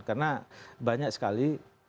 karena banyak sekali kita mendiskriminasi